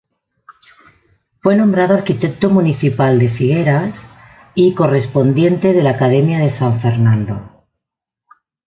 Fue nombrado arquitecto municipal de Figueras y Correspondiente de la Academia de San Fernando.